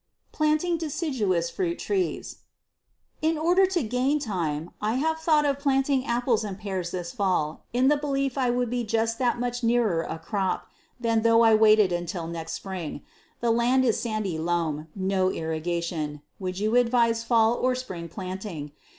Planting Deciduous Fruit Trees. In order to gain time, I have thought of planting apples and pears this fall, in the belief I would be just that much nearer a crop, than though I waited until next spring. The land is sandy loam; no irrigation. Would you advise fall or spring planting?